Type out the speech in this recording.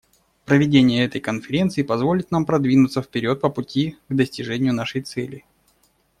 Проведение этой конференции позволит нам продвинуться вперед по пути к достижению нашей цели.